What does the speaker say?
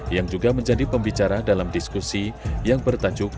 yang juga menjadi pembicara dalam diskusi yang bertajuk